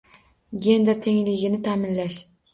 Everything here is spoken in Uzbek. Gender tengligini ta'minlash.